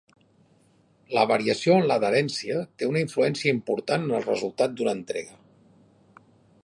La variació en l'adherència té una influència important en el resultat d'una entrega.